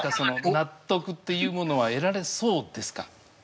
納得というものは得られそうですか？